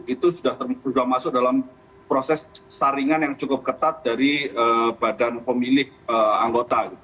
itu sudah masuk dalam proses saringan yang cukup ketat dari badan pemilik anggota